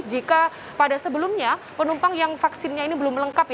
jika pada sebelumnya penumpang yang vaksinnya ini belum lengkap